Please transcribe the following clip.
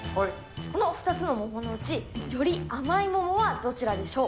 この２つの桃のうち、より甘い桃はどちらでしょう。